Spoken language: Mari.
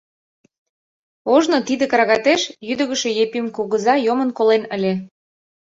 Ожно тиде крагатеш йӱдыгышӧ Епим кугыза йомын колен ыле.